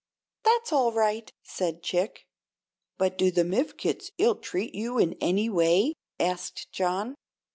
"That's all right," said Chick. "But do the Mifkets ill treat you in any way?" asked John.